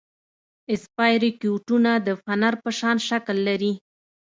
اسپایروکیټونه د فنر په شان شکل لري.